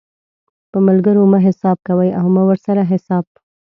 په ملګرو مه حساب کوئ او مه ورسره حساب